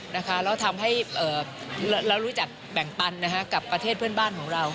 แล้วทำให้เรารู้จักแบ่งปันกับประเทศเพื่อนบ้านของเรา